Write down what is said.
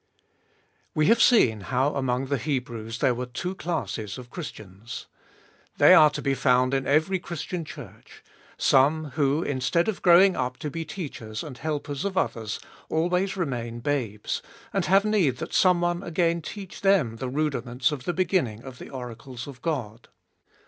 WE have seen how among the Hebrews there were two classes of Christians. They are to be found in every Christian Church — some who, instead of growing up to be teachers and helpers of others, always remain babes, and have need that some one again teach them the rudiments of the beginning of the oracles of God.